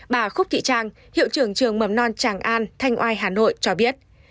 bà khúc thị trang hiệu trưởng trường mầm non tràng an thanh oai hà nội cho biết